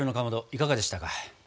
いかがでしたか？